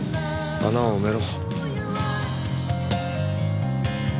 穴を埋めろ。